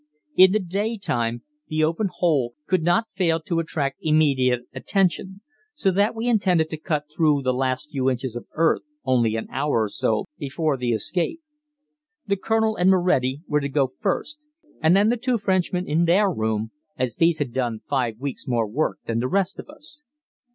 In the day time the open hole could not fail to attract immediate attention, so that we intended to cut through the last few inches of earth only an hour or so before the escape. The Colonel and Moretti were to go first, and then the two Frenchmen in their room, as these had done five weeks' more work than the rest of us.